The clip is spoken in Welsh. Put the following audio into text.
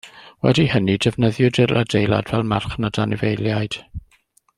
Wedi hynny, defnyddiwyd yr adeilad fel marchnad anifeiliaid.